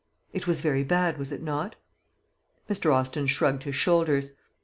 It was very bad, was it not? Mr. Austin shrugged his shoulders.